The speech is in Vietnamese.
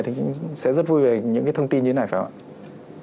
thì sẽ rất vui về những cái thông tin như thế này phải không ạ